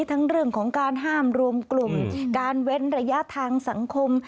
ทั้งเรื่องของการห้ามรวมกลุ่มการเว้นระยะทางสังคม